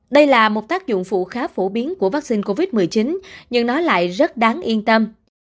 đây là một tác dụng phụ khá phổ biến của vaccine covid một mươi chín nhưng nó lại rất đáng yên tâm